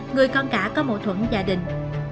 người con cả có mộ thuẫn gia đình